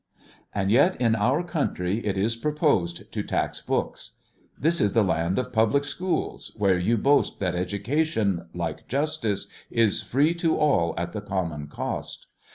And yet in our country it is proposed to tax books. This is the land of public schools, where you boast that education, like justice, is free to all at the common cost.